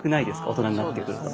大人になってくると。